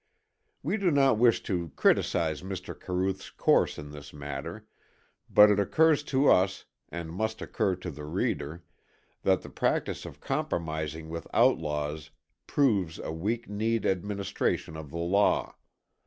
We do not wish to criticise Mr. Caruth's course in this matter, but it occurs to us, and must occur to the reader, that the practice of compromising with outlaws proves a weak kneed administration of the law.